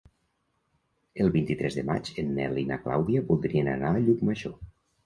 El vint-i-tres de maig en Nel i na Clàudia voldrien anar a Llucmajor.